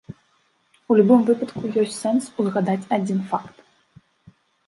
У любым выпадку, ёсць сэнс узгадаць адзін факт.